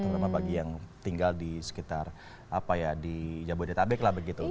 terutama bagi yang tinggal di sekitar apa ya di jabodetabek lah begitu